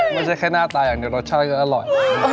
ไม่ใช่แค่หน้าตาอย่างเดียวรสชาติก็อร่อย